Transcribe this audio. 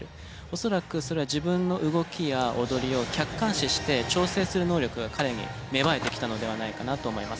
恐らくそれは自分の動きや踊りを客観視して調整する能力が彼に芽生えてきたのではないかなと思います。